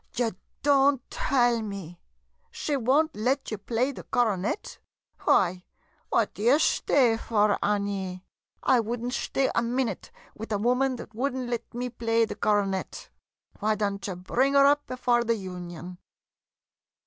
] Ye don't tell me ? She won't let you play the coronet? Why, what d' ye shtay for, Annie? I would n't shtay a minute with a woman that would not let me play the coro net ! Why don't you bring 'er up before the Union